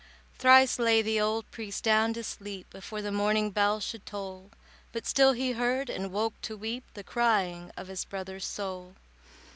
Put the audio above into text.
Thrice lay the old priest down to sleep Before the morning bell should toll; But still he heard—and woke to weep— The crying of his brother's soul.